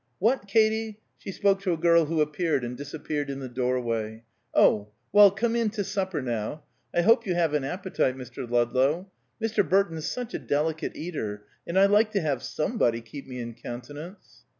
What, Katy?" she spoke to a girl who appeared and disappeared in the doorway. "Oh! Well, come in to supper, now. I hope you have an appetite, Mr. Ludlow. Mr. Burton's such a delicate eater, and I like to have _some_body keep me in countenance."